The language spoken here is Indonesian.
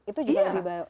itu juga lebih bagus